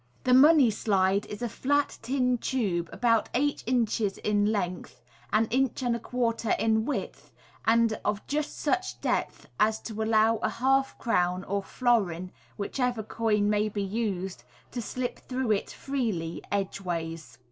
The money slide is a flat tin tube, about eight inches in length, an inch and a quarter in width, and of just such depth as to allow a half crown or florin (whichever coin may be used) to slip through it freely, edgeways.